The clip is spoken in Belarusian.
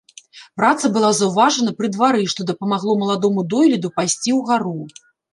Праца была заўважана пры двары, што дапамагло маладому дойліду пайсці ўгару.